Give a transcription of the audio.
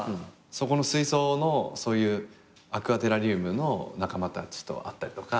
そこの水槽のそういうアクアテラリウムの仲間たちと会ったりとか。